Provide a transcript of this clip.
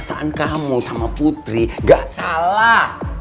iya hubungan kamu perasaan kamu sama putri gak salah